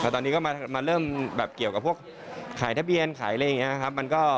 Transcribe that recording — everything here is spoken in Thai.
ตอนนี้ก็มาเริ่มแบบเกี่ยวกับพวกขายทะเบียนขายอะไรอย่างนี้ครับ